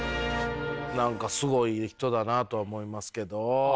何かすごい人だなとは思いますけど。